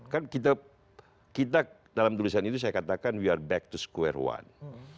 kan kita dalam tulisan itu saya katakan we are back to square one